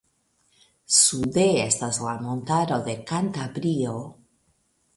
Sude estas la Montaro de Kantabrio.